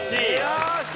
よし！